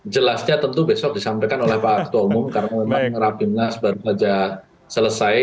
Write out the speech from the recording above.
jelasnya tentu besok disampaikan oleh pak ketua umum karena memang rapimnas baru saja selesai